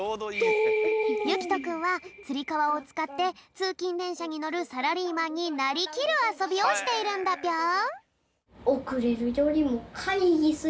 ゆきとくんはつりかわをつかってつうきんでんしゃにのるサラリーマンになりきるあそびをしているんだぴょん！